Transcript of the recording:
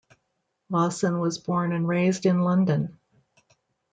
Lawson was born and raised in London.